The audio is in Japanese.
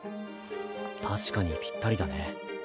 確かにぴったりだね。